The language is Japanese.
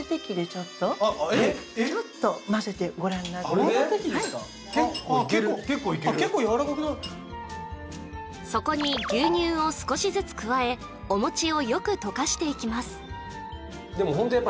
はいあっ結構やわらかくなるそこに牛乳を少しずつ加えお餅をよく溶かしていきます